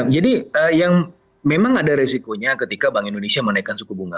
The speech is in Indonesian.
jadi yang memang ada resikonya ketika bank indonesia menaikkan suku bunga